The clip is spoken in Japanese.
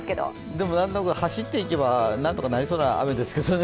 でも、なんとなく走っていけば何とかなりそうな雨ですけどね。